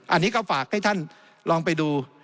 อันนี้ก็ฝากให้ท่านลองไปดู